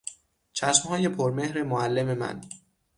چشمهای پرمهر معلم من